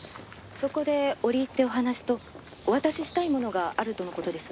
そこで折り入ってお話とお渡ししたいものがあるとの事です。